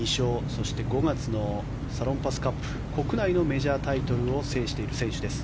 そして５月のサロンパスカップ国内のメジャータイトルを制している選手です。